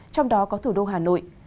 trong đó có thủ đô hà nội